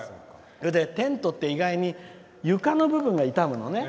テントって意外に床の部分が傷むのね。